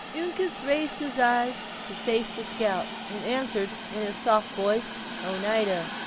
Uncas raised his eyes to the face of the scout, and answered, in his soft voice: "Oneida."